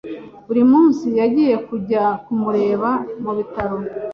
Buri munsi yagiye kujya kumureba mu bitaro.